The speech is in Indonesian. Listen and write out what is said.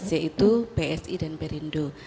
yaitu bsi dan bdn